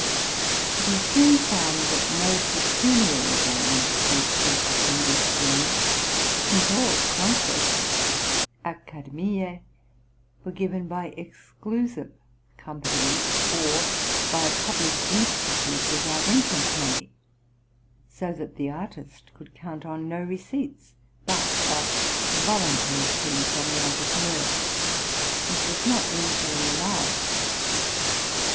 But he soon found that no pecuniary gain was to be expected from this journey, since all concerts (accademie) were given by exclusive companies, or by a public institute without entrance money; so that the artist could count on no receipts but a voluntary fee from the entrepreneur, which was not usually large.